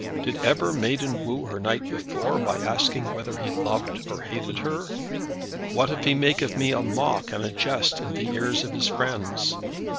Did ever maiden woo her knight before, by asking whether he loved or hated her? What if he make of me a mock and a jest in the ears of his friends!